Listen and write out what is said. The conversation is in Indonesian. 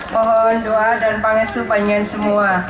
mohon doa dan panggilan semua